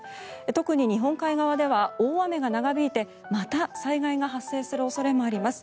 特に日本海側では大雨が長引いてまた災害が発生する恐れもあります。